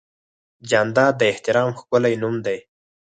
جانداد د احترام ښکلی نوم دی.